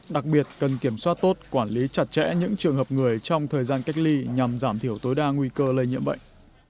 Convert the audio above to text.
đặc biệt cần kiểm soát tốt quản lý chặt chẽ những trường hợp người trong thời gian cách ly nhằm giảm thiểu tối đa nguy cơ lây nhiễm bệnh